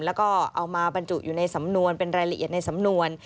แล้วก็เอามาบรรจุอยู่ในสำนวนเป็นรายละเอียดในสำนวน